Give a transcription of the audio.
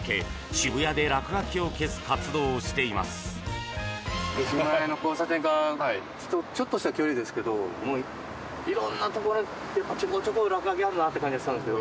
渋谷の交差点からちょっとした距離ですけども色んなところにちょこちょこ落書きあるなと感じたんですけど。